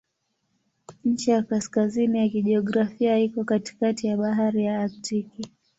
Ncha ya kaskazini ya kijiografia iko katikati ya Bahari ya Aktiki.